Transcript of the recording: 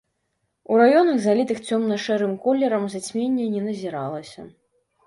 У раёнах, залітых цёмна-шэрым колерам, зацьменне не назіралася.